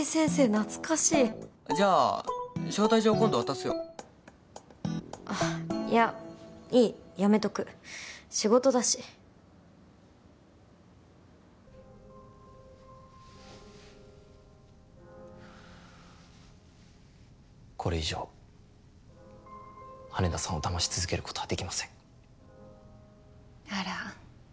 懐かしいじゃあ招待状今度渡すよいやいいやめとく仕事だしこれ以上羽田さんをだまし続けることはできませんあら